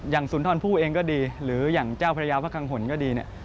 อย่างสุนทรพู่เองก็ดีหรืออย่างเจ้าพระยาวพระคังหลก็ดี